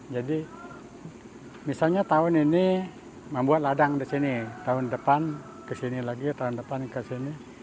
jadi misalnya tahun ini membuat ladang di sini tahun depan ke sini lagi tahun depan ke sini